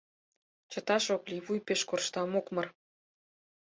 Чыташ ок лий, вуй пеш коршта, мокмыр...